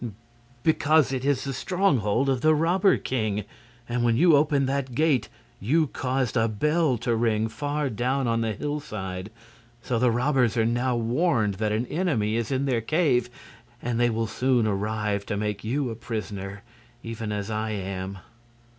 "Because it is the stronghold of the robber king, and when you opened that gate you caused a bell to ring far down on the hillside. So the robbers are now warned that an enemy is in their cave, and they will soon arrive to make you a prisoner, even as I am."